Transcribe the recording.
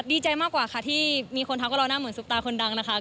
ดีใจมากกว่าค่ะที่มีคนทักว่าเราหน้าเหมือนซุปตาคนดังนะคะ